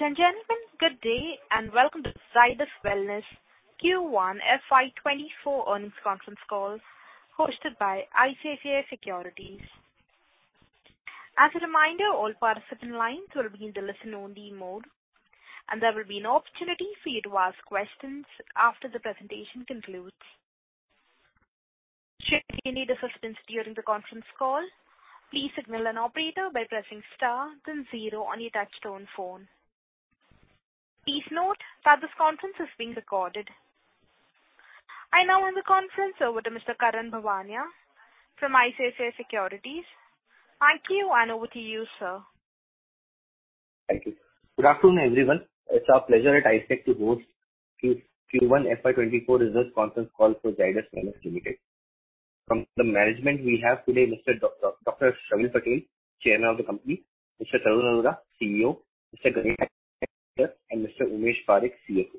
Ladies and gentlemen, good day, and welcome to Zydus Wellness Q1 FY 2024 earnings conference call, hosted by ICICI Securities. As a reminder, all participant lines will be in the listen only mode, and there will be an opportunity for you to ask questions after the presentation concludes. Should you need assistance during the conference call, please signal an operator by pressing star then zero on your touchtone phone. Please note that this conference is being recorded. I now hand the conference over to Mr. Karan Bhuwania from ICICI Securities. Thank you, and over to you, sir. Thank you. Good afternoon, everyone. It's our pleasure at ICICI to host Q1 FY24 results conference call for Zydus Wellness Limited. From the management, we have today Dr. Sharvil Patel, Chairman of the company; Mr. Tarun Arora, CEO; Mr. Ganesh Nayak, Director; and Mr. Umesh Parekh, CFO.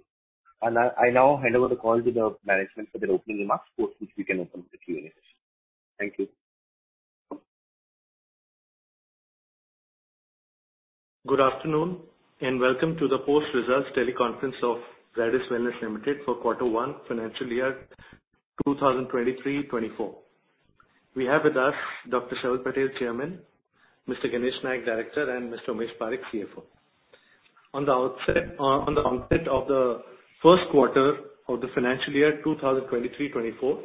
I, I now hand over the call to the management for their opening remarks, after which we can open the Q&A. Thank you. Good afternoon, welcome to the post results teleconference of Zydus Wellness Limited for quarter one, financial year 2023-2024. We have with us Dr. Sharvil Patel, Chairman, Mr. Ganesh Nayak, Director, and Mr. Umesh Parekh, CFO. On the outset, on the onset of the first quarter of the financial year 2023-2024,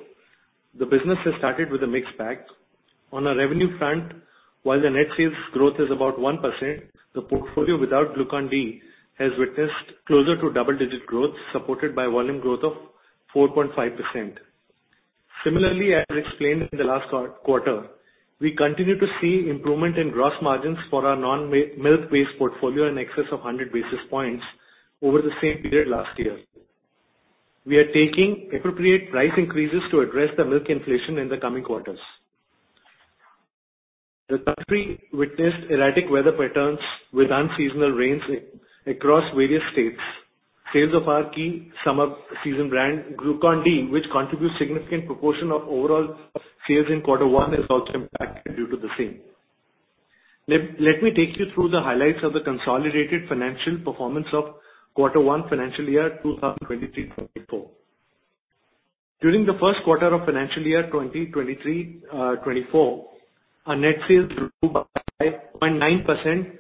the business has started with a mixed bag. On a revenue front, while the net sales growth is about 1%, the portfolio without Glucon-D has witnessed closer to double-digit growth, supported by volume growth of 4.5%. Similarly, as explained in the last quarter, we continue to see improvement in gross margins for our non-milk-based portfolio in excess of 100 basis points over the same period last year. We are taking appropriate price increases to address the milk inflation in the coming quarters. The country witnessed erratic weather patterns with unseasonal rains across various states. Sales of our key summer season brand, Glucon-D, which contributes significant proportion of overall sales in quarter one, is also impacted due to the same. Let me take you through the highlights of the consolidated financial performance of quarter one, financial year 2023-2024. During the first quarter of financial year 2023, 2024, our net sales grew by 0.9%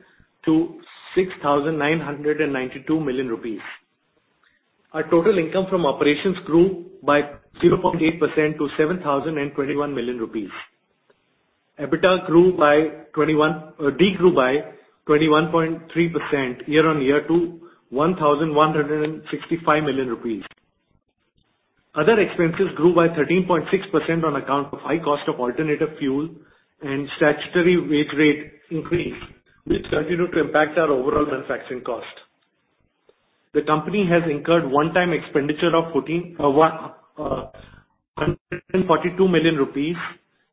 to 6,992 million rupees. Our total income from operations grew by 0.8% to 7,021 million rupees. EBITDA degrew by 21.3% year-on-year to 1,165 million rupees. Other expenses grew by 13.6% on account of high cost of alternative fuel and statutory wage rate increase, which continued to impact our overall manufacturing cost. The company has incurred one-time expenditure of 142 million rupees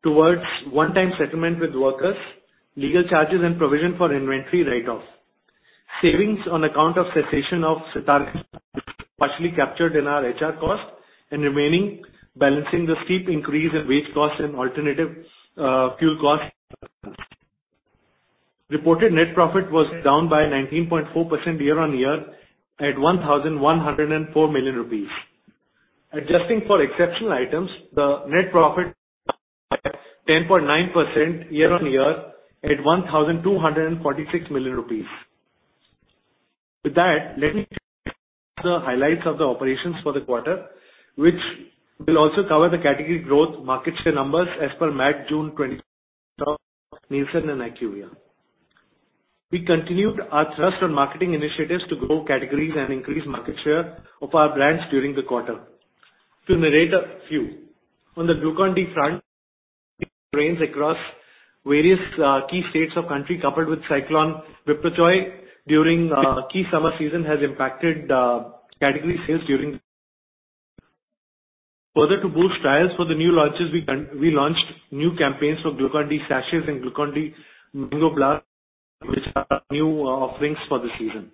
towards one-time settlement with workers, legal charges, and provision for inventory write-off. Savings on account of cessation of partially captured in our HR cost and remaining balancing the steep increase in wage costs and alternative fuel costs. Reported net profit was down by 19.4% year-on-year, at 1,104 million rupees. Adjusting for exceptional items, the net profit 10.9% year-on-year, at 1,246 million rupees. With that, let me the highlights of the operations for the quarter, which will also cover the category growth, market share numbers as per MAT June 20 NielsenIQ and IQVIA. We continued our thrust on marketing initiatives to grow categories and increase market share of our brands during the quarter. To narrate a few, on the Glucon-D front, rains across various key states of country, coupled with cyclone Michaung during key summer season, has impacted category sales during. Further to boost trials for the new launches, we launched new campaigns for Glucon-D Sachets and Glucon-D Mango Blast, which are new offerings for the season.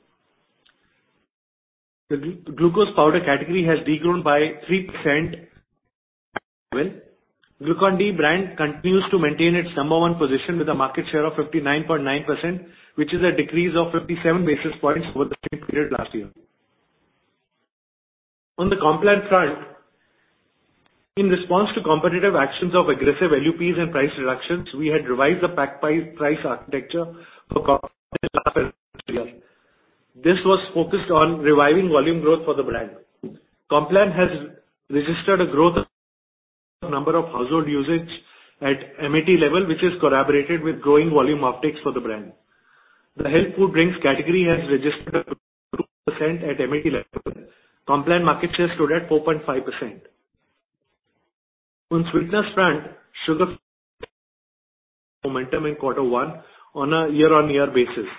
The glucose powder category has de-grown by 3%. Glucon-D brand continues to maintain its number one position with a market share of 59.9%, which is a decrease of 57 basis points over the same period last year. On the Complan front, in response to competitive actions of aggressive LUPs and price reductions, we had revised the pack price architecture for. This was focused on reviving volume growth for the brand. Complan has registered a growth of number of household usage at MAT level, which is collaborated with growing volume optics for the brand. The health food drinks category has registered a percent at MAT level. Complan market share stood at 4.5%. On Sweetener brand, Sugar Free momentum in quarter one on a year-on-year basis.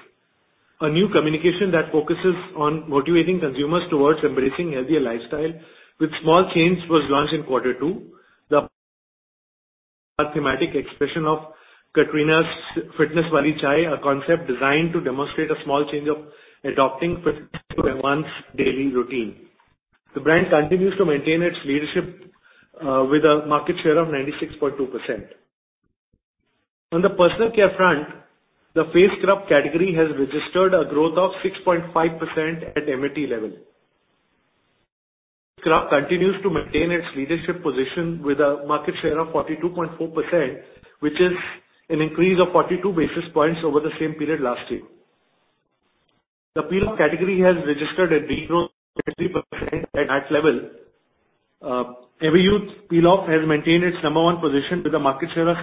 A new communication that focuses on motivating consumers towards embracing healthier lifestyle with small change, was launched in quarter two. The thematic expression of Katrina's Fitness wali chai, a concept designed to demonstrate a small change of adopting to enhance daily routine. The brand continues to maintain its leadership with a market share of 96.2%. On the personal care front, the face scrub category has registered a growth of 6.5% at MAT level. Scrub continues to maintain its leadership position with a market share of 42.4%, which is an increase of 42 basis points over the same period last year. The peel off category has registered a de-growth of 3% at level. Everyuth peel off has maintained its number 1 position with a market share of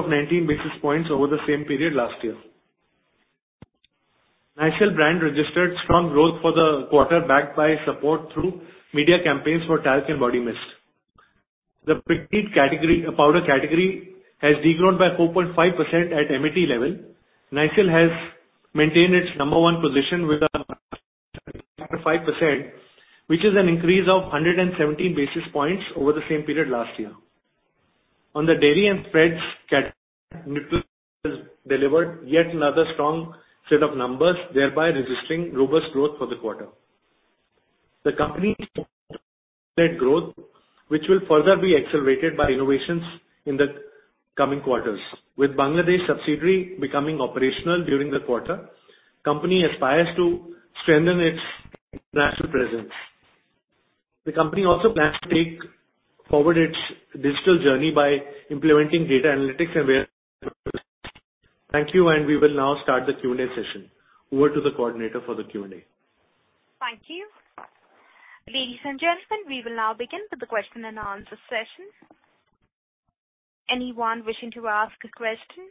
78.7%, 19 basis points over the same period last year. Nycil brand registered strong growth for the quarter, backed by support through media campaigns for talc and body mist. The pretty category, powder category, has de-grown by 4.5% at MAT level. Nycil has maintained its number one position with a 5%, which is an increase of 117 basis points over the same period last year. The dairy and spreads category has delivered yet another strong set of numbers, thereby registering robust growth for the quarter. The company growth, which will further be accelerated by innovations in the coming quarters, with Bangladesh subsidiary becoming operational during the quarter, company aspires to strengthen its national presence. The company also plans to take forward its digital journey by implementing data analytics and business. Thank you. We will now start the Q&A session. Over to the coordinator for the Q&A. Thank you. Ladies and gentlemen, we will now begin with the question and answer session. Anyone wishing to ask a question,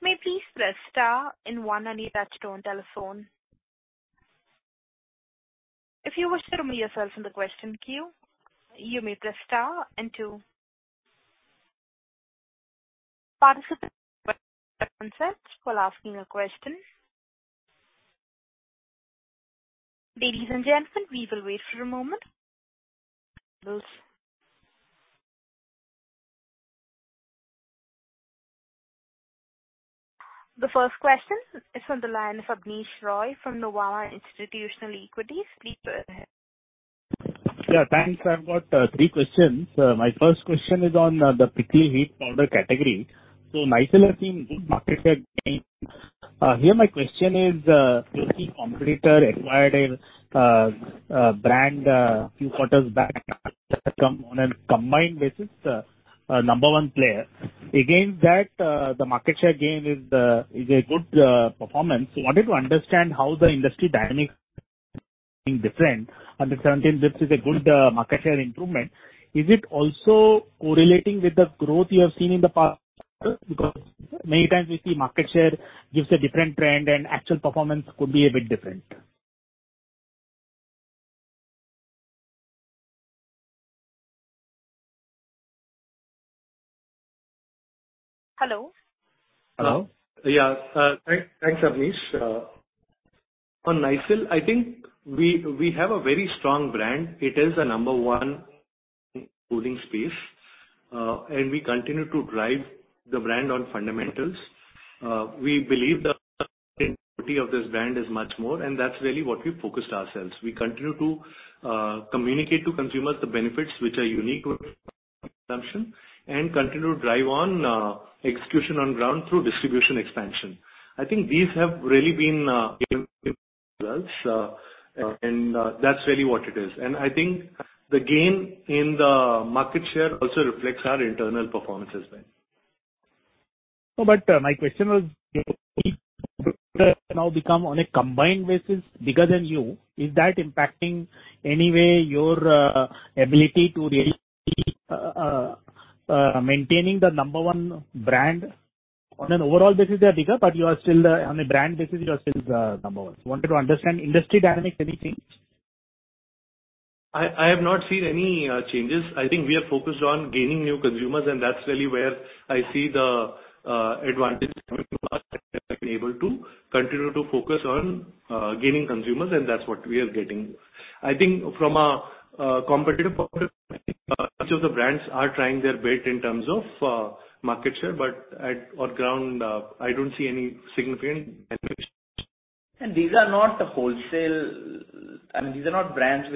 may please press star and one on your touchtone telephone. If you wish to remove yourself from the question queue, you may press star and two. while asking a question. Ladies and gentlemen, we will wait for a moment. The first question is from the line of Abneesh Roy from Nuvama Institutional Equities. Please go ahead. Yeah, thanks. I've got three questions. My first question is on the prickly heat powder category. Nycil are seeing good market share. Here my question is, closely competitor acquired a brand a few quarters back, on a combined basis, number one player. Against that, the market share gain is a good performance. Wanted to understand how the industry dynamics being different, and the 17 this is a good market share improvement. Is it also correlating with the growth you have seen in the past? Because many times we see market share gives a different trend, and actual performance could be a bit different. Hello? Hello. Yeah, thank, thanks, Abneesh. On Nycil, I think we, we have a very strong brand. It is a number one, including space, and we continue to drive the brand on fundamentals. We believe the of this brand is much more, and that's really what we focused ourselves. We continue to communicate to consumers the benefits which are unique to consumption, and continue to drive on execution on ground through distribution expansion. I think these have really been, and that's really what it is. I think the gain in the market share also reflects our internal performance as well. No, my question was, now become on a combined basis, bigger than you. Is that impacting any way your ability to really maintaining the number one brand? On an overall basis, they are bigger, but you are still on a brand basis, you are still number one. Wanted to understand industry dynamics, anything. I, I have not seen any changes. I think we are focused on gaining new consumers, and that's really where I see the advantage coming to us, able to continue to focus on gaining consumers, and that's what we are getting. I think from a competitive perspective, each of the brands are trying their best in terms of market share, but at on ground, I don't see any significant benefits. These are not the wholesale... I mean, these are not brands.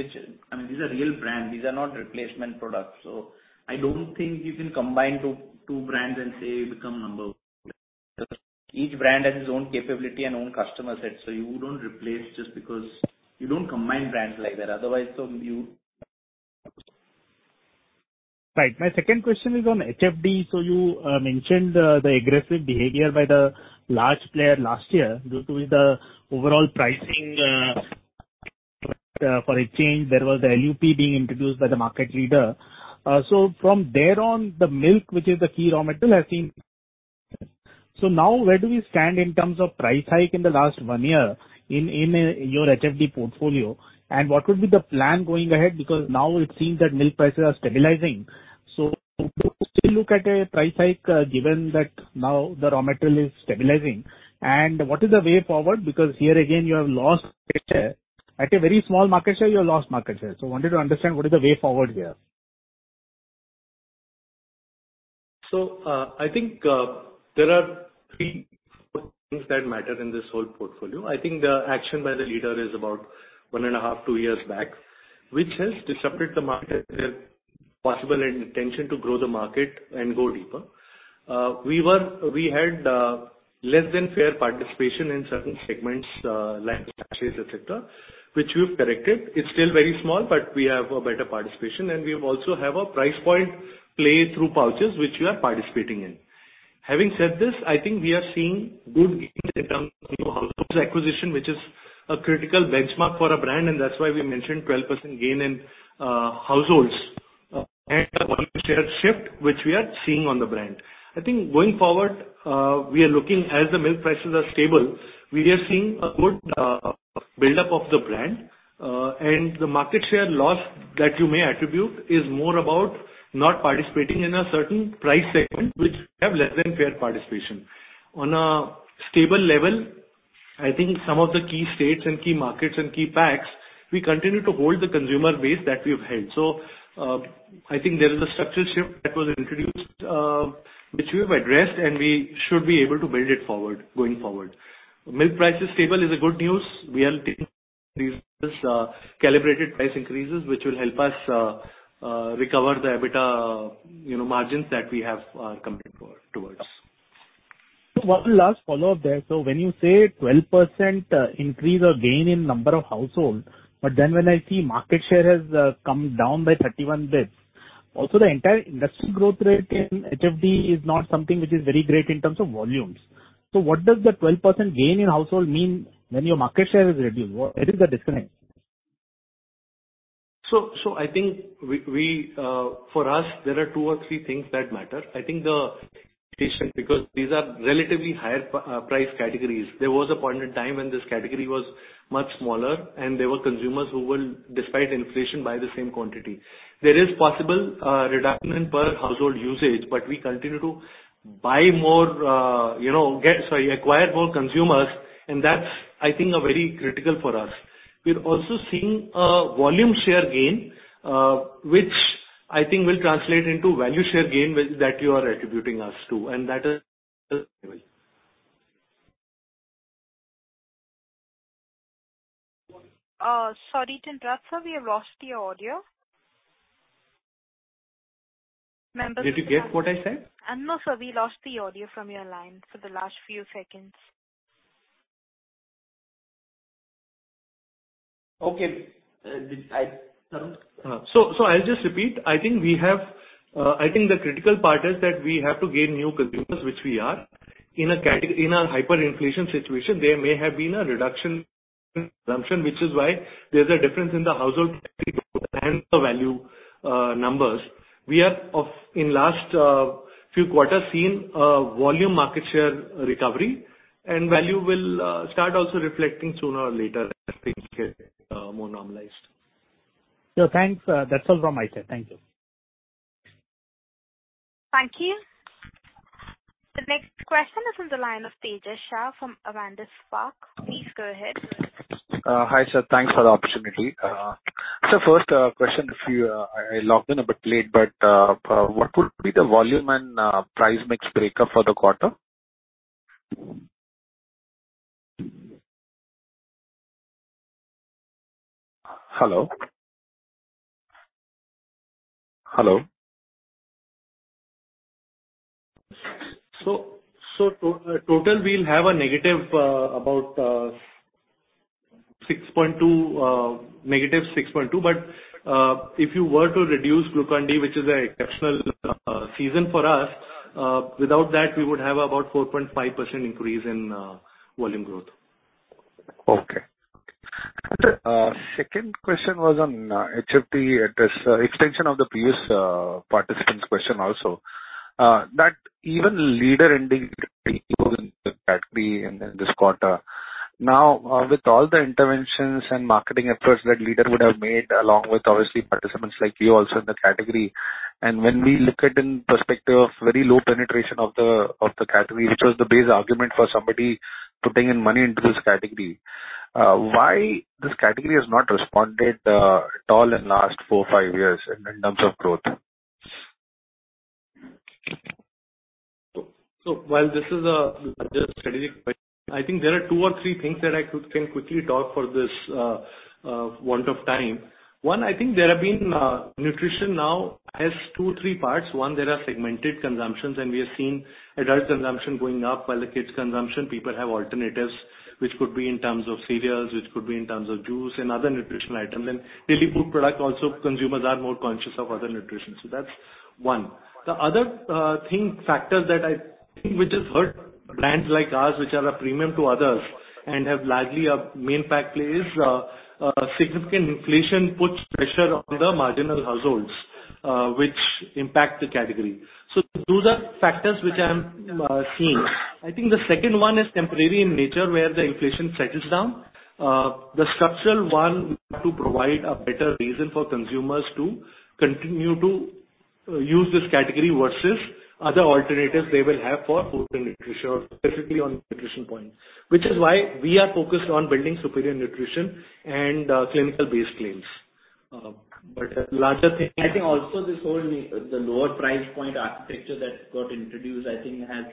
I mean, these are real brands. These are not replacement products, so I don't think you can combine 2, 2 brands and say, become number one. Each brand has its own capability and own customer set, so you don't replace just because you don't combine brands like that. Otherwise. Right. My second question is on HFD. You mentioned the aggressive behavior by the large player last year, due to the overall pricing, for a change, there was the LUP being introduced by the market leader. From there on, the milk, which is the key raw material, has been. Now where do we stand in terms of price hike in the last one year in, in your HFD portfolio? What would be the plan going ahead? Because now it seems that milk prices are stabilizing. Do you still look at a price hike, given that now the raw material is stabilizing? What is the way forward? Because here again, you have lost market share. At a very small market share, you lost market share. Wanted to understand what is the way forward here. I think there are three-... things that matter in this whole portfolio. I think the action by the leader is about 1.5, 2 years back, which helps to separate the market, possible intention to grow the market and go deeper. We had less than fair participation in certain segments, like sachets, et cetera, which we've corrected. It's still very small, but we have a better participation, and we also have a price point play through pouches, which we are participating in. Having said this, I think we are seeing good gains in terms of households acquisition, which is a critical benchmark for a brand, and that's why we mentioned 12% gain in households and the volume share shift, which we are seeing on the brand. I think going forward, we are looking as the milk prices are stable, we are seeing a good buildup of the brand, and the market share loss that you may attribute is more about not participating in a certain price segment, which we have less than fair participation. On a stable level, I think some of the key states and key markets and key packs, we continue to hold the consumer base that we've held. I think there is a structural shift that was introduced, which we have addressed, and we should be able to build it forward, going forward. Milk prices stable is a good news. We are taking these calibrated price increases, which will help us recover the EBITDA, you know, margins that we have committed towards. One last follow-up there. When you say 12%, increase or gain in number of household, but then when I see market share has, come down by 31 bits. The entire industry growth rate in HFD is not something which is very great in terms of volumes. What does the 12% gain in household mean when your market share is reduced? Where is the disconnect? I think we, we for us, there are two or three things that matter. I think the patient, because these are relatively higher price categories. There was a point in time when this category was much smaller, and there were consumers who will, despite inflation, buy the same quantity. There is possible reduction in per household usage, but we continue to buy more, you know, get, sorry, acquire more consumers, and that's, I think, are very critical for us. We're also seeing a volume share gain, which I think will translate into value share gain, which that you are attributing us to, and that is- Sorry to interrupt, sir. We have lost your audio. Did you get what I said? No, sir, we lost the audio from your line for the last few seconds. Okay, did I? I'll just repeat: I think we have, I think the critical part is that we have to gain new consumers, which we are. In a hyperinflation situation, there may have been a reduction in consumption, which is why there's a difference in the household and the value numbers. We have, of, in last few quarters, seen a volume market share recovery, and value will start also reflecting sooner or later as things get more normalized. Thanks. That's all from my side. Thank you. Thank you. The next question is on the line of Tejash Shah from Avendus Spark. Please go ahead. Hi, sir. Thanks for the opportunity. First, question for you. I logged in a bit late, but what would be the volume and price mix breakup for the quarter? Hello? Hello. Total, we'll have a -6.2, -6.2. If you were to reduce Glucon-D, which is an exceptional season for us, without that, we would have about 4.5% increase in volume growth. Okay. Second question was on HFD address, extension of the previous participant's question also, that even leader in the category in this quarter. Now, with all the interventions and marketing efforts that leader would have made, along with obviously participants like you also in the category, and when we look at in perspective, very low penetration of the category, which was the base argument for somebody putting in money into this category, why this category has not responded at all in last 4, 5 years in terms of growth? While this is a strategic question, I think there are two or three things that I can quickly talk for this want of time. One, I think there have been, nutrition now has two, three parts. One, there are segmented consumptions, and we have seen adult consumption going up, while the kids' consumption, people have alternatives, which could be in terms of cereals, which could be in terms of juice and other nutritional items. Daily food product also, consumers are more conscious of other nutrition. That's one. The other thing, factor that I think which has hurt brands like ours, which are a premium to others and have largely a main pack play, is significant inflation puts pressure on the marginal households, which impact the category. Those are factors which I'm seeing. I think the second one is temporary in nature, where the inflation settles down. The structural one, we have to provide a better reason for consumers to continue to use this category versus other alternatives they will have for food and nutrition, or specifically on nutrition point. Which is why we are focused on building superior nutrition and clinical-based claims. But the larger thing... I think also this whole, the lower price point architecture that got introduced, I think has,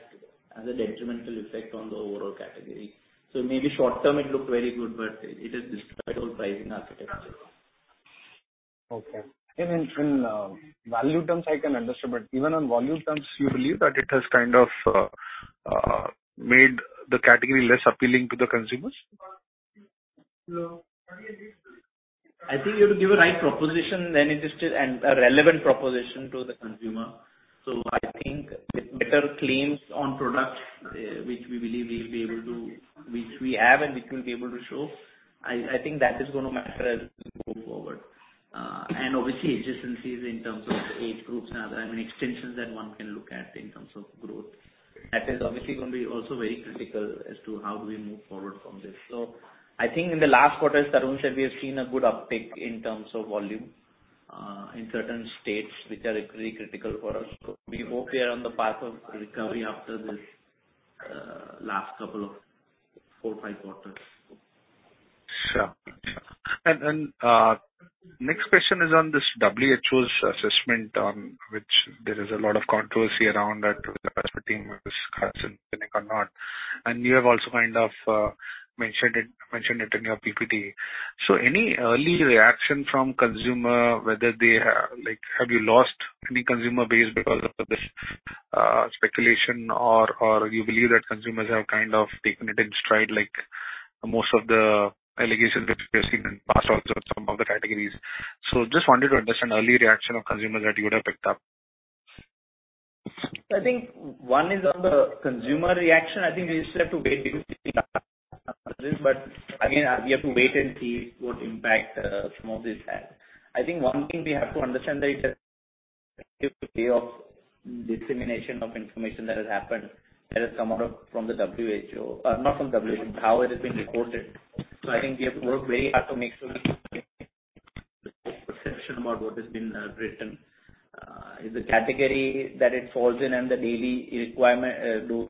has a detrimental effect on the overall category. Maybe short term, it looked very good, but it has destroyed our pricing architecture. Okay. In, in value terms, I can understand, but even on volume terms, you believe that it has kind of made the category less appealing to the consumers? No, I think you have to give a right proposition, then it is still a relevant proposition to the consumer. I think with better claims on products, which we believe we'll be able to, which we have and which we'll be able to show, I think that is gonna matter as we move forward. Obviously, adjacencies in terms of age groups and other, I mean, extensions that one can look at in terms of growth. That is obviously gonna be also very critical as to how do we move forward from this. I think in the last quarter, Tarun said we have seen a good uptick in terms of volume, in certain states which are really critical for us. We hope we are on the path of recovery after this, last couple of four, five quarters. Sure. Sure. Next question is on this WHO's assessment on which there is a lot of controversy around that aspartame is carcinogenic or not. You have also kind of, mentioned it in your PPT. Any early reaction from consumer, whether they are... Like, have you lost any consumer base because of this, speculation, or you believe that consumers have kind of taken it in stride, like most of the allegations which we have seen in the past also in some of the categories? Just wanted to understand early reaction of consumers that you would have picked up. I think one is on the consumer reaction. I think we still have to wait but again, we have to wait and see what impact some of this has. I think one thing we have to understand is that of dissemination of information that has happened, that has come out of, from the WHO, not from WHO, how it has been reported. So I think we have to work very hard to make sure the perception about what has been written. Is the category that it falls in and the daily requirement to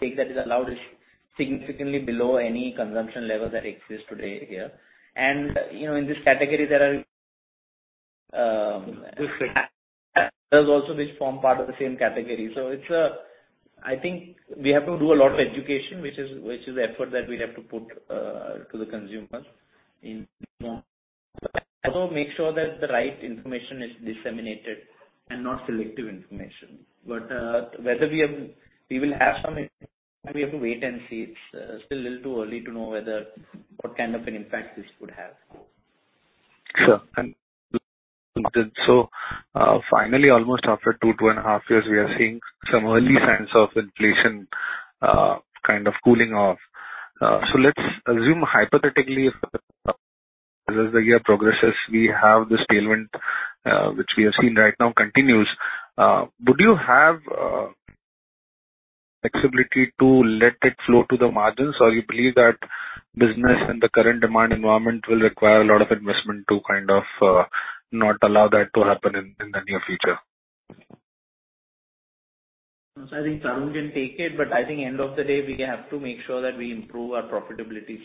take that is allowed is significantly below any consumption level that exists today here. And, you know, in this category, there are, there's also which form part of the same category. So it's... I think we have to do a lot of education, which is the effort that we have to put to the consumers in Also make sure that the right information is disseminated and not selective information. Whether we will have some, we have to wait and see. It's still a little too early to know whether what kind of an impact this would have. Sure. Finally, almost after 2, 2.5 years, we are seeing some early signs of inflation, kind of cooling off. Let's assume hypothetically, as the year progresses, we have this tailwind, which we have seen right now continues. Would you have flexibility to let it flow to the margins? You believe that business in the current demand environment will require a lot of investment to kind of not allow that to happen in the near future? I think Tarun can take it, but I think end of the day, we have to make sure that we improve our profitability.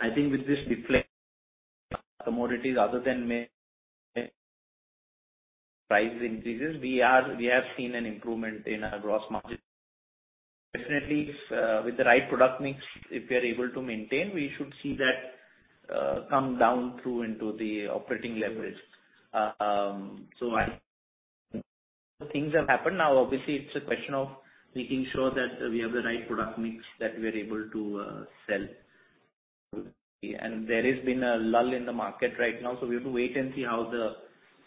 I think with this deflect commodities, other than may price increases, we have seen an improvement in our gross margin. Definitely, with the right product mix, if we are able to maintain, we should see that come down through into the operating leverage. Things have happened now. Obviously, it's a question of making sure that we have the right product mix that we are able to sell. There has been a lull in the market right now, so we have to wait and see how the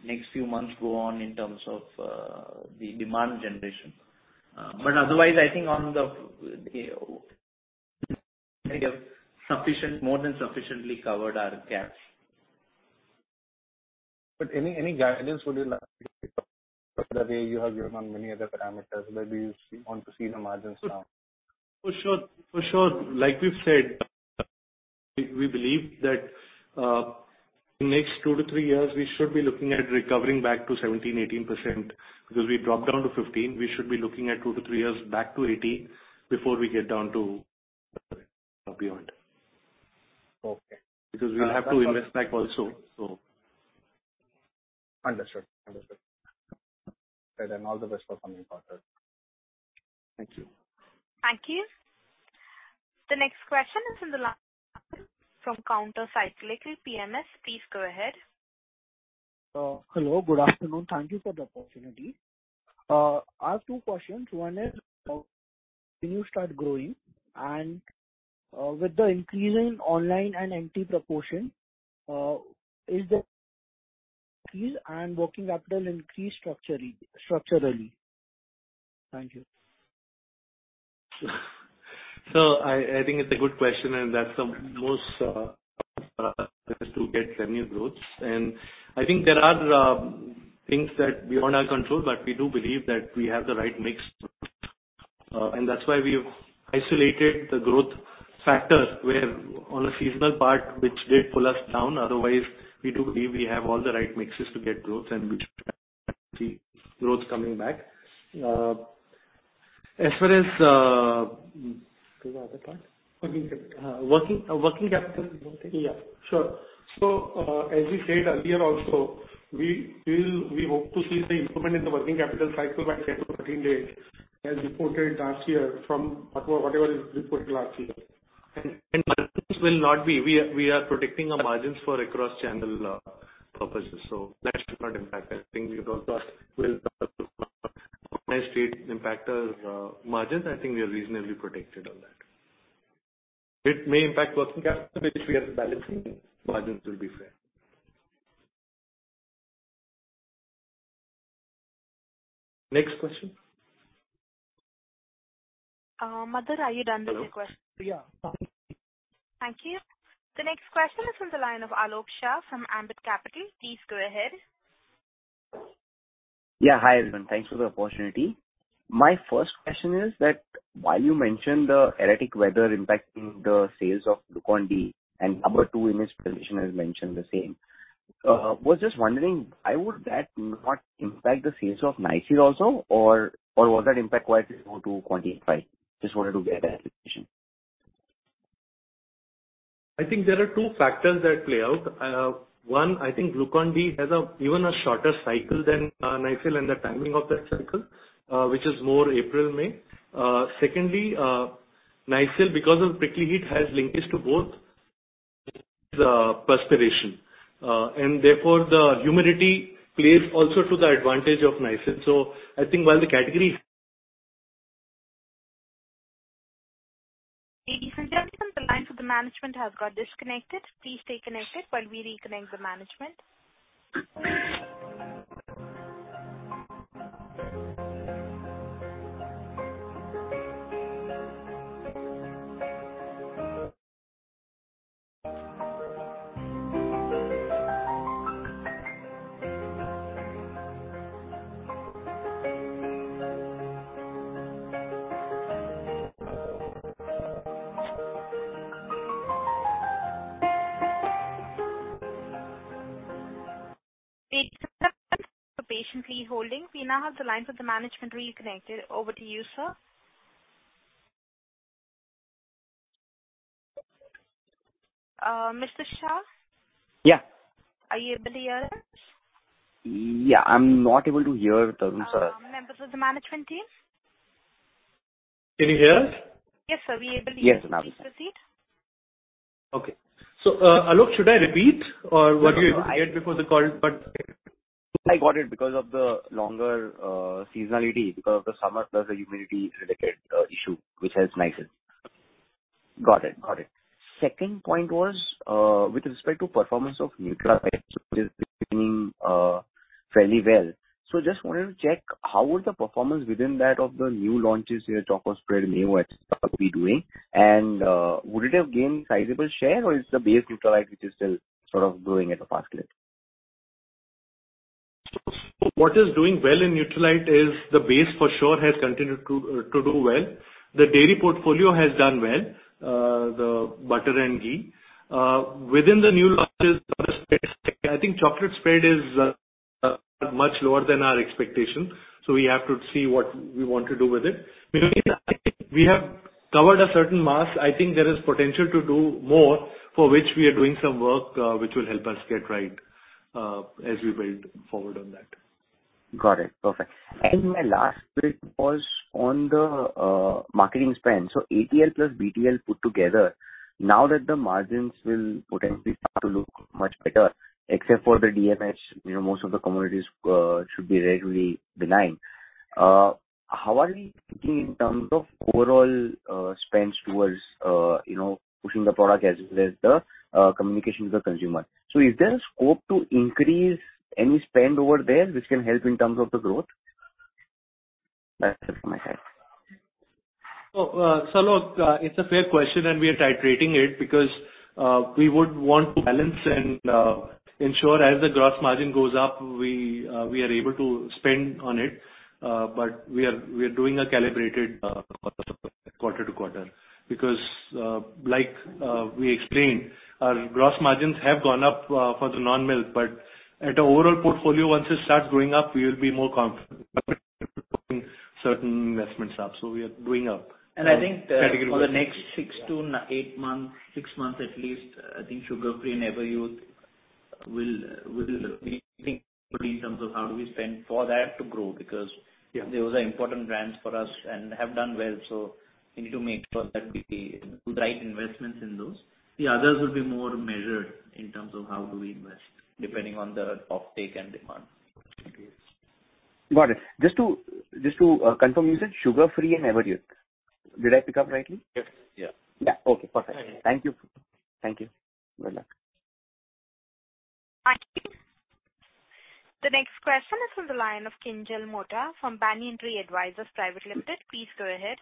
next few months go on in terms of the demand generation. Otherwise, I think on the, we have sufficient, more than sufficiently covered our gaps. Any, any guidance would you like you have given on many other parameters, maybe you want to see the margins now? For sure, for sure. Like we've said, we, we believe that in the next 2 to 3 years, we should be looking at recovering back to 17%, 18% because we dropped down to 15%. We should be looking at 2 to 3 years back to 18% before we get down to beyond. Okay. Because we'll have to invest back also, so. Understood. Understood. All the best for coming quarter. Thank you. Thank you. The next question is in the line from Counter Cyclical, PMS. Please go ahead. Hello, good afternoon. Thank you for the opportunity. I have two questions. One is, can you start growing? With the increase in online and empty proportion, is the increase and working capital increased structurally, structurally? Thank you. I, I think it's a good question, and that's the most to get the new growths. I think there are things that beyond our control, but we do believe that we have the right mix. That's why we've isolated the growth factors where on a seasonal part, which did pull us down. Otherwise, we do believe we have all the right mixes to get growth and which growth coming back. As far as to the other part? Working capital. Working, working capital. Yeah, sure. As we said earlier also, we hope to see the improvement in the working capital cycle by 10 to 14 days, as reported last year from whatever is reported last year. Margins will not be. We are protecting our margins for across channel purposes, so that should not impact. I think we've also will impact our margins. I think we are reasonably protected on that. It may impact working capital, which we are balancing, margins will be fair. Next question? Madhur, are you done with the question? Yeah. Thank you. The next question is from the line of Alok Shah from Ambit Capital. Please go ahead. Yeah, hi, everyone. Thanks for the opportunity. My first question is that while you mentioned the erratic weather impacting the sales of Glucon-D, and number two in this presentation has mentioned the same, was just wondering, why would that not impact the sales of Nycil also? Or was that impact quite small to quantify? Just wanted to get that information. I think there are two factors that play out. One, I think Glucon-D has a, even a shorter cycle than, Nycil and the timing of that cycle, which is more April, May. Secondly, Nycil, because of prickly heat, has linkage to both, perspiration. Therefore, the humidity plays also to the advantage of Nycil. I think while the category- Ladies and gentlemen, the line for the management has got disconnected. Please stay connected while we reconnect the management. Thank you for patiently holding. We now have the line for the management reconnected. Over to you, sir. Mr. Shah? Yeah. Are you able to hear us? Yeah, I'm not able to hear you, sir. Members of the management team? Can you hear us? Yes, sir, we are able to- Yes, ma'am. Proceed. Okay. Alok, should I repeat or what we had before the call? I got it. Because of the longer seasonality, because of the summer, plus the humidity-related issue, which helps Nycil. Got it. Got it. Second point was with respect to performance of Nutralite, which is doing fairly well. Just wanted to check, how was the performance within that of the new launches, your chocolate spread and mayo, et cetera, be doing? Would it have gained sizable share, or it's the base Nutralite which is still sort of growing at a faster rate? What is doing well in Nutralite is the base for sure has continued to, to do well. The dairy portfolio has done well, the butter and ghee. Within the new launches, I think chocolate spread is much lower than our expectation, so we have to see what we want to do with it. We have covered a certain mass. I think there is potential to do more, for which we are doing some work, which will help us get right, as we build forward on that. Got it. Perfect. My last bit was on the marketing spend. ATL plus BTL put together, now that the margins will potentially start to look much better, except for the DMH, you know, most of the commodities should be relatively benign. How are we thinking in terms of overall spends towards, you know, pushing the product as well as the communication to the consumer? Is there a scope to increase any spend over there, which can help in terms of the growth? That's just my question. Look, it's a fair question, and we are titrating it, because we would want to balance and ensure as the gross margin goes up, we are able to spend on it. We are, we are doing a calibrated, quarter to quarter. Like we explained, our gross margins have gone up for the non-milk, but at the overall portfolio, once it starts going up, we will be more confident certain investments up. We are going up. I think for the next 6 to 8 months, 6 months at least, I think Sugar Free and Everyuth will, will in terms of how do we spend for that to grow, because. Yeah. -those are important brands for us and have done well, so we need to make sure that we do the right investments in those. The others will be more measured in terms of how do we invest, depending on the off take and demand. Got it. Just to confirm, you said Sugar Free and Everyuth. Did I pick up rightly? Yes. Yeah. Yeah. Okay, perfect. Thank you. Thank you. Thank you. Good luck. Thank you. The next question is from the line of Kinjal Mota from Banyan Tree Advisors Private Limited. Please go ahead.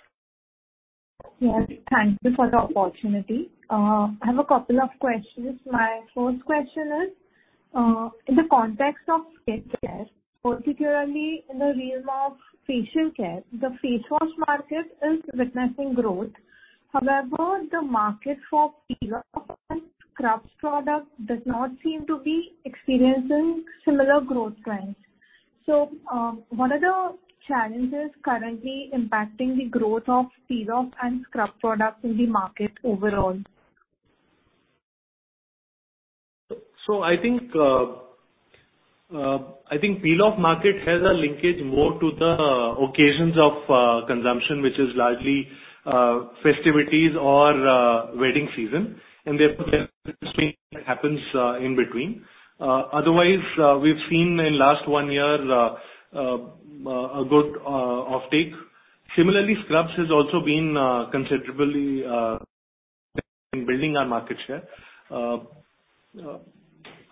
Yes, thank you for the opportunity. I have a couple of questions. My first question is, in the context of skincare, particularly in the realm of facial care, the face wash market is witnessing growth. However, the market for peel scrub product does not seem to be experiencing similar growth trends. What are the challenges currently impacting the growth of peel off and scrub products in the market overall? I think, I think peel off market has a linkage more to the occasions of consumption, which is largely festivities or wedding season, and therefore, happens in between. Otherwise, we've seen in last one year a good offtake. Similarly, scrubs has also been considerably in building our market share.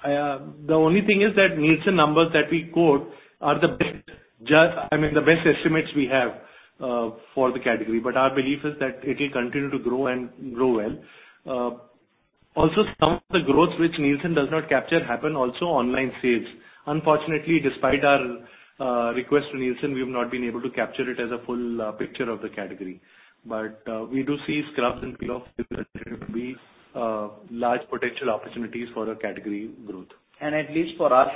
The only thing is that Nielsen numbers that we quote are the best, just- I mean, the best estimates we have for the category. Our belief is that it will continue to grow and grow well. Also, some of the growth which Nielsen does not capture happen also online sales. Unfortunately, despite our request to Nielsen, we've not been able to capture it as a full picture of the category. We do see scrubs and peel off to be large potential opportunities for our category growth. At least for us,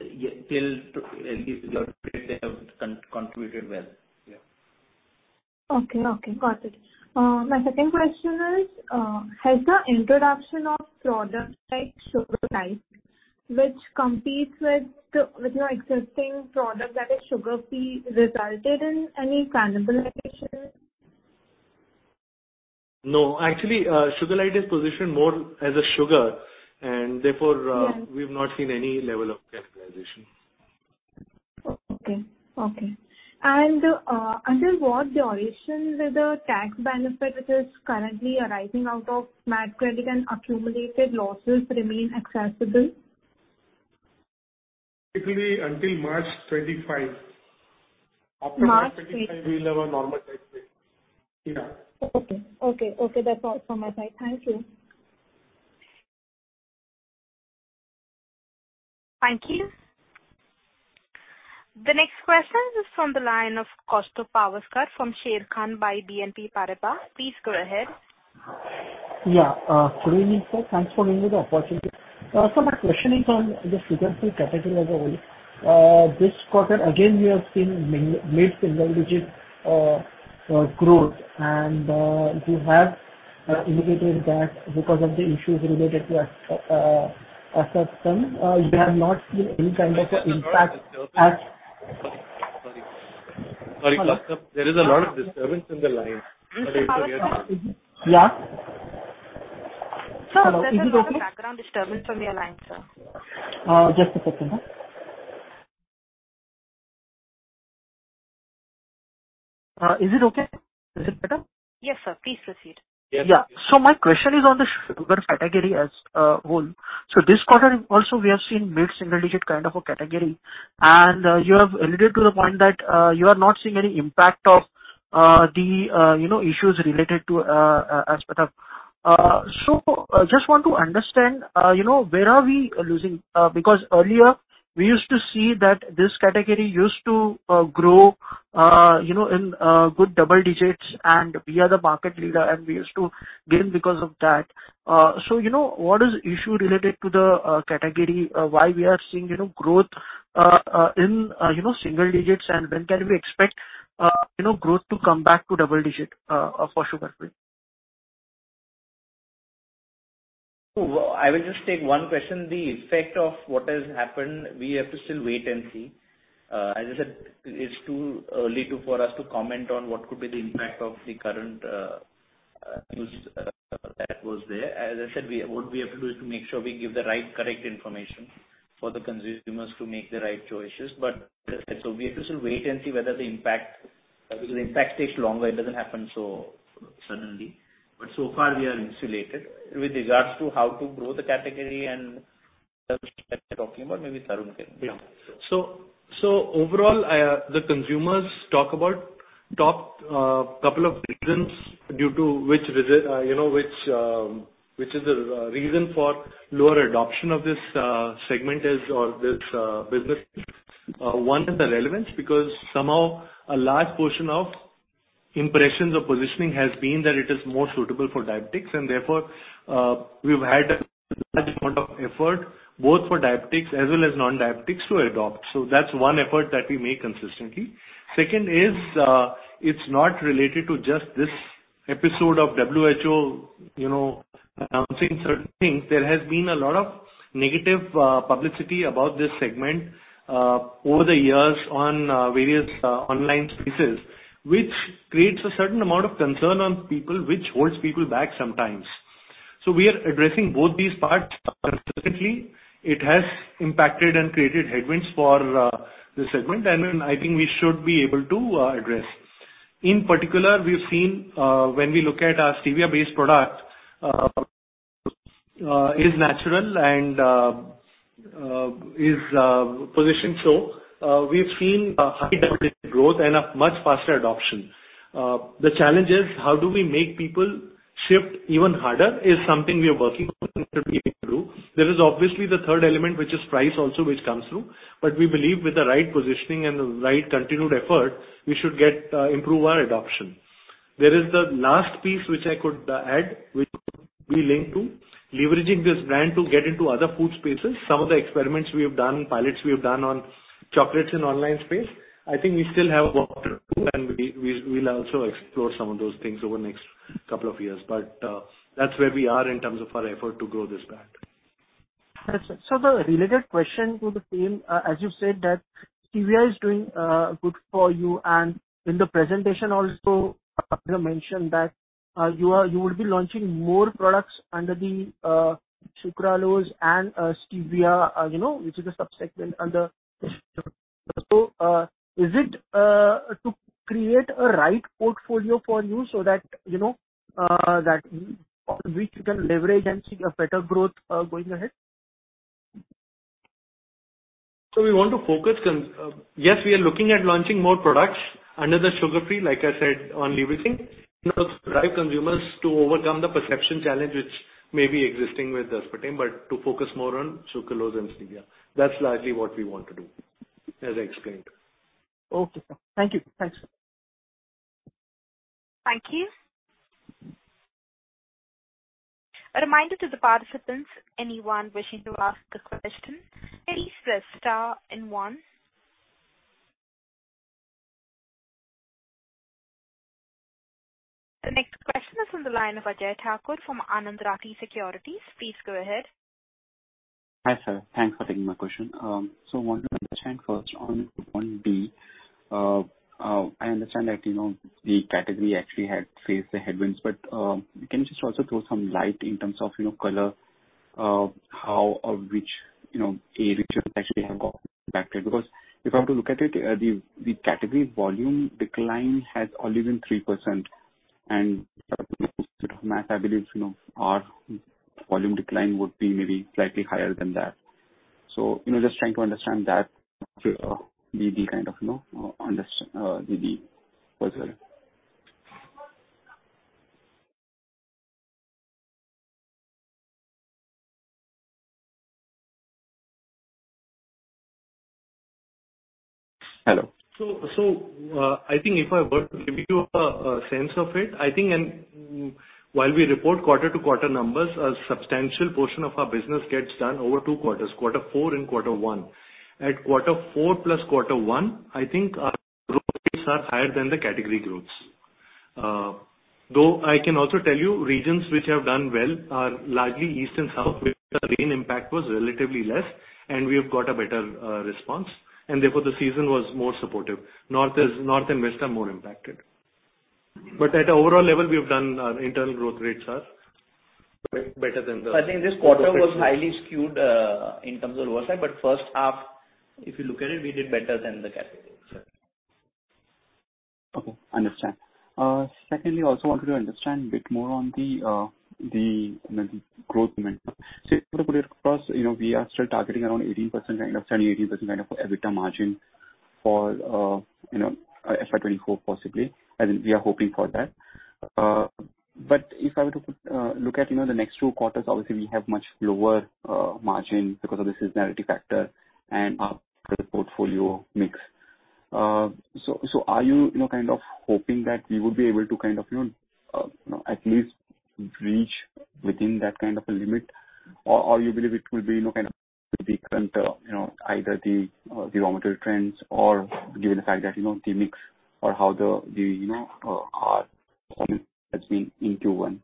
yeah, till they have contributed well. Yeah. Okay, okay. Got it. My second question is, has the introduction of products like Sugarlite, which competes with, with your existing product, that is Sugar Free, resulted in any cannibalization? No. Actually, Sugarlite is positioned more as a sugar, and therefore- Yeah We've not seen any level of cannibalization. Okay. Okay. Until what duration will the tax benefit, which is currently arising out of MAT credit and accumulated losses, remain accessible? It will be until March 2025. March- After March 2025, we will have a normalized rate. Yeah. Okay. Okay, okay. That's all from my side. Thank you. Thank you. The next question is from the line of Kaustubh Pawaskar from Sharekhan by BNP Paribas. Please go ahead. Yeah, good evening, sir. Thanks for giving me the opportunity. My question is on the Sugar Free category as a whole. This quarter, again, we have seen mid-single-digit growth, and you have indicated that because of the issues related to aspartame, you have not seen any kind of an impact. Sorry. Sorry. Sorry, Kaustubh, there is a lot of disturbance in the line. Yes, Kaustubh, Yeah. Sir, there is a lot of background disturbance on your line, sir. Just a second, ma'am. Is it okay? Is it better? Yes, sir. Please proceed. Yes. Yeah. My question is on the Sugar Free category as a whole. This quarter also, we have seen mid-single-digit kind of a category, and you have alluded to the point that you are not seeing any impact of the, you know, issues related to aspartame. Just want to understand, you know, where are we losing? Because earlier we used to see that this category used to grow, you know, in good double digits, and we are the market leader, and we used to gain because of that. You know, what is the issue related to the category? Why we are seeing, you know, growth in, you know, single digits, and when can we expect, you know, growth to come back to double digit for Sugar Free? Well, I will just take one question. The effect of what has happened, we have to still wait and see. As I said, it's too early to, for us to comment on what could be the impact of the current, use that was there. As I said, what we have to do is to make sure we give the right, correct information for the consumers to make the right choices. As I said, so we have to still wait and see whether the impact... because the impact takes longer, it doesn't happen so suddenly. So far, we are insulated. With regards to how to grow the category and talking about, maybe Tarun can... Yeah. So overall, the consumers talk about top couple of reasons due to which visit, you know, which is the reason for lower adoption of this segment is, or this business. One is the relevance, because somehow a large portion of impressions or positioning has been that it is more suitable for diabetics, and therefore, we've had a large amount of effort, both for diabetics as well as non-diabetics to adopt. That's one effort that we make consistently. Second is, it's not related to just this episode of WHO, you know, announcing certain things. There has been a lot of negative publicity about this segment over the years on various online spaces, which creates a certain amount of concern on people, which holds people back sometimes. We are addressing both these parts consistently. It has impacted and created headwinds for the segment, and I think we should be able to address. In particular, we've seen, when we look at our stevia-based product, is natural and is positioned so. We've seen a high double-digit growth and a much faster adoption. The challenge is, how do we make people shift even harder is something we are working on through. There is obviously the third element, which is price also, which comes through. We believe with the right positioning and the right continued effort, we should get, improve our adoption. There is the last piece which I could add, which we link to, leveraging this brand to get into other food spaces. Some of the experiments we have done, pilots we have done on chocolates in online space, I think we still have work to do, and we'll also explore some of those things over the next 2 years. That's where we are in terms of our effort to grow this brand. Got you. The related question to the same, as you said, that stevia is doing, good for you. In the presentation also, you mentioned that, you will be launching more products under the, sucralose and, stevia, you know, which is a subsection under . Is it, to create a right portfolio for you so that, you know, that which you can leverage and see a better growth, going ahead? We want to focus yes, we are looking at launching more products under the Sugar Free, like I said, on everything. Drive consumers to overcome the perception challenge which may be existing with aspartame, but to focus more on Sucralose and Stevia. That's largely what we want to do, as I explained. Okay, thank you. Thanks. Thank you. A reminder to the participants, anyone wishing to ask a question, please press star and one. The next question is on the line of Ajay Thakur from Anand Rathi Securities. Please go ahead. Hi, sir. Thanks for taking my question. Want to understand first on, on B, I understand that, you know, the category actually had faced the headwinds, but, can you just also throw some light in terms of, you know, color, how or which, you know, areas actually have gotten impacted? Because if I were to look at it, the, the category volume decline has only been 3%. And I believe, you know, our volume decline would be maybe slightly higher than that. Just trying to understand that, the kind of, you know, the, the possibility. Hello. I think if I were to give you a sense of it, I think while we report quarter-to-quarter numbers, a substantial portion of our business gets done over two quarters, quarter four and quarter one. At quarter four plus quarter one, I think our growth rates are higher than the category growths. Though I can also tell you, regions which have done well are largely east and south, where the rain impact was relatively less and we have got a better response, and therefore, the season was more supportive. North and West are more impacted. At the overall level, we have done, internal growth rates are better than the- I think this quarter was highly skewed, in terms of oversight. First half, if you look at it, we did better than the category. Okay, understand. Secondly, I also wanted to understand a bit more on the, the, you know, growth momentum. To put it across, you know, we are still targeting around 18%, kind of steady 18% kind of EBITDA margin for, you know, FY 2024, possibly, and we are hoping for that. If I were to, look at, you know, the next two quarters, obviously we have much lower, margin because of the seasonality factor and our portfolio mix. Are you, you know, kind of hoping that we will be able to kind of, you know, at least reach within that kind of a limit? or you believe it will be, you know, kind of different, you know, either the, barometer trends or given the fact that, you know, the mix or how the, the, you know, are, has been in Q1.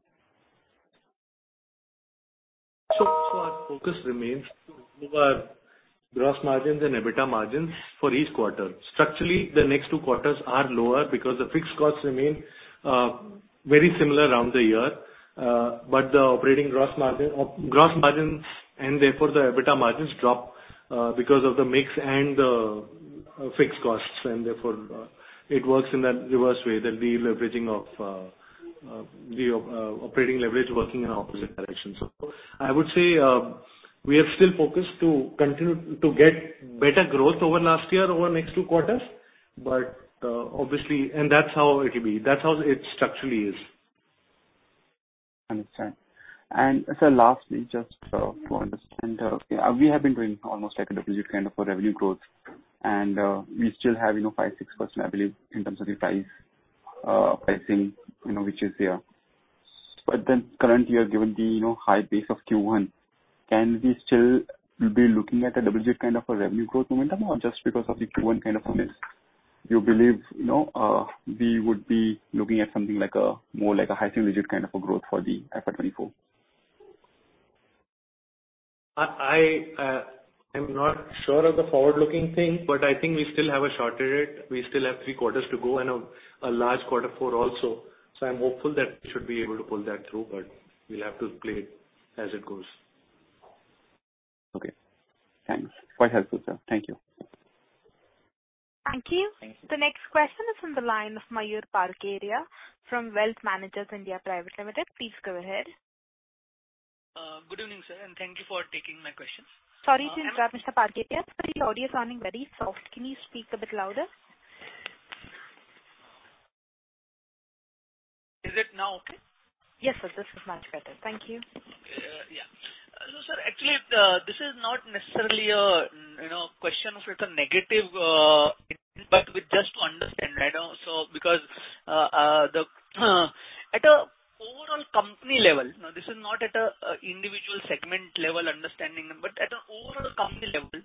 Our focus remains to move our gross margins and EBITDA margins for each quarter. Structurally, the next two quarters are lower because the fixed costs remain very similar around the year. The operating gross margin, gross margins and therefore, the EBITDA margins drop because of the mix and the fixed costs, and therefore, it works in that reverse way, that the leveraging of the operating leverage working in opposite directions. I would say, we are still focused to continue to get better growth over last year, over the next two quarters. obviously... That's how it will be. That's how it structurally is. Understand. Sir, lastly, just to understand, we have been doing almost like a double-digit kind of a revenue growth, and we still have, you know, 5%-6%, I believe, in terms of the price pricing, you know, which is there. Currently, given the, you know, high base of Q1, can we still be looking at a double-digit kind of a revenue growth momentum, or just because of the Q1 kind of a mix, you believe, you know, we would be looking at something like a more like a high single-digit kind of a growth for the FY 2024? I, I, I'm not sure of the forward-looking thing, but I think we still have a short period. We still have three quarters to go and a large quarter four also. I'm hopeful that we should be able to pull that through, but we'll have to play it as it goes. Okay, thanks. Quite helpful, sir. Thank you. Thank you. Thank you. The next question is from the line of Mayur Parkeria from Wealth Managers India Private Limited. Please go ahead. Thank you for taking my question. Sorry to interrupt, Mr. Parkeria, your audio is sounding very soft. Can you speak a bit louder? Is it now okay? Yes, sir. This is much better. Thank you. Yeah. Sir, actually, this is not necessarily a, you know, question of it's a negative, but with just to understand, right? Because, the, at an overall company level, now, this is not at an individual segment level understanding, but at an overall company level,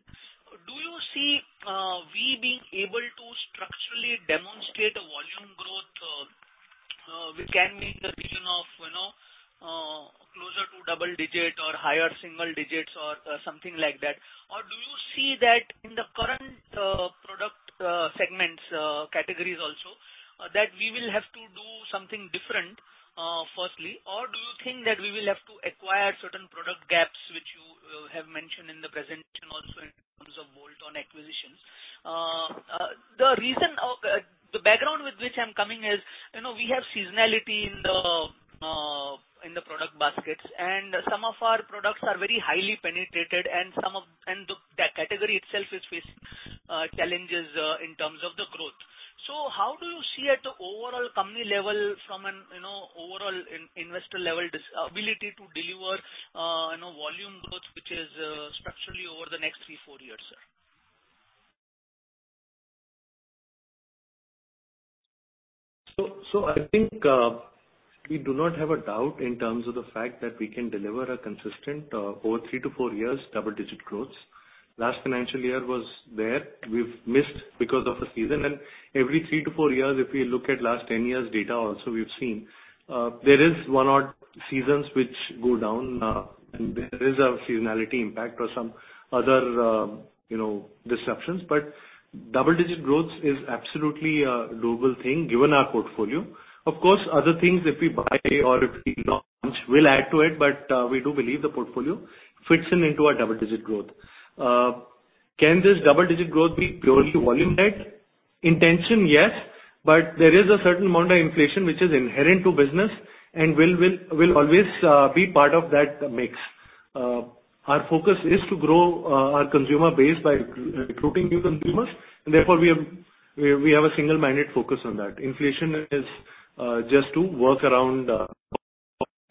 do you see we being able to structurally demonstrate a volume growth, which can be in the region of, you know, closer to double-digit or higher single digits or something like that? Do you see that in the current product segments, categories also, that we will have to do something different, firstly? Do you think that we will have to acquire certain product gaps, which you have mentioned in the presentation also in terms of bolt-on acquisitions? The reason or, the background with which I'm coming is, you know, we have seasonality in the product baskets, and some of our products are very highly penetrated and the category itself is facing challenges in terms of the growth. How do you see at the overall company level from an, you know, overall investor level, this ability to deliver, you know, volume growth, which is structurally over the next three, four years, sir? I think, we do not have a doubt in terms of the fact that we can deliver a consistent, over 3 to 4 years, double-digit growth. Last financial year was there. We've missed because of a season. Every 3 to 4 years, if we look at last 10 years' data also, we've seen, there is one odd seasons which go down, and there is a seasonality impact or some other, you know, disruptions. Double-digit growth is absolutely a doable thing, given our portfolio. Of course, other things, if we buy or if we launch, we'll add to it, but, we do believe the portfolio fits in into a double-digit growth. Can this double-digit growth be purely volume-led? Intention, yes. There is a certain amount of inflation which is inherent to business and will, will, will always be part of that mix. Our focus is to grow our consumer base by re-recruiting new consumers. Therefore, we have, we, we have a single-minded focus on that. Inflation is just to work around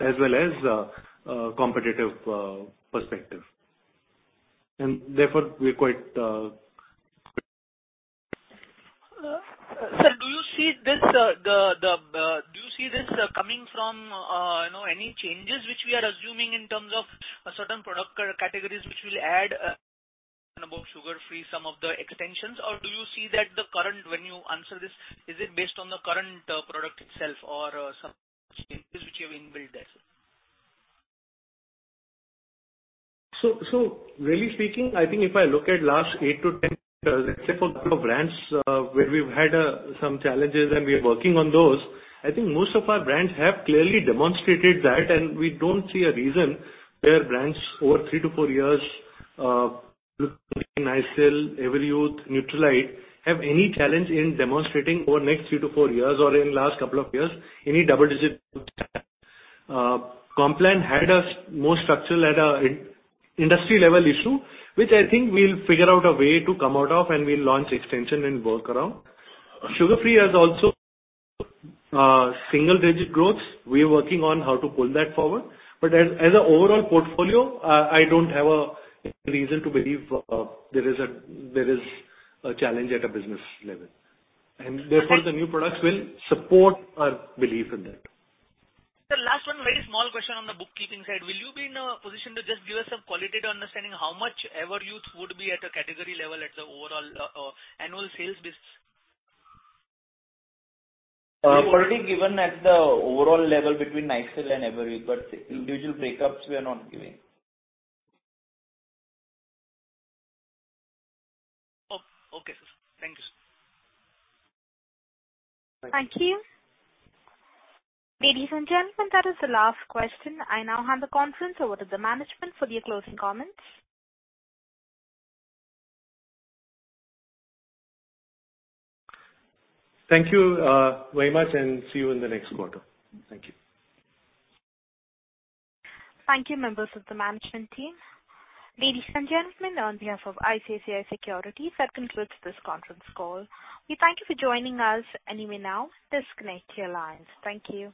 as well as competitive perspective. Therefore, we're quite... Sir, do you see this coming from, you know, any changes which we are assuming in terms of a certain product categories, which will add about Sugar Free some of the extensions? Or do you see that the current, when you answer this, is it based on the current product itself or some changes which you have inbuilt there, sir? Really speaking, I think if I look at last 8 to 10 years, except for brands, where we've had some challenges and we are working on those, I think most of our brands have clearly demonstrated that, and we don't see a reason where brands over 3 to 4 years, Nycil, Everyuth, Nutralite, have any challenge in demonstrating over the next 3 to 4 years or in last couple of years, any double digit. Complan had a more structural at a in- industry level issue, which I think we'll figure out a way to come out of, and we'll launch extension and work around. Sugar Free has also, single-digit growth. We are working on how to pull that forward. As an overall portfolio, I don't have a reason to believe, there is a challenge at a business level. Therefore, the new products will support our belief in that. Sir, last one, very small question on the bookkeeping side. Will you be in a position to just give us a qualitative understanding, how much Everyuth would be at a category level, at the overall, annual sales business? Already given at the overall level between Nycil and Everyuth, but individual breakups, we are not giving. Oh, okay, sir. Thank you, sir. Thank you. Ladies and gentlemen, that is the last question. I now hand the conference over to the management for their closing comments. Thank you, very much, and see you in the next quarter. Thank you. Thank you, members of the management team. Ladies and gentlemen, on behalf of ICICI Securities, that concludes this conference call. We thank you for joining us. You may now disconnect your lines. Thank you.